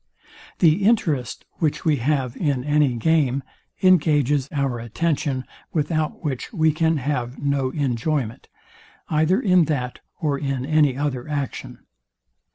The interest, which we have in any game, engages our attention, without which we can have no enjoyment, either in that or in any other action.